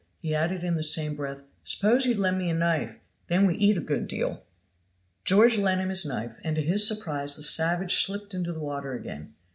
he added in the same breath; "suppose you lend me a knife, then we eat a good deal." George lent him his knife, and to his surprise the savage slipped into the water again.